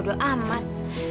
udah amat